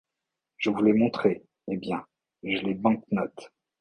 Je vous l’ai montrée ; eh bien, j’ai les bank-notes.